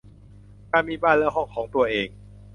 การมีบ้านและห้องของตัวเอง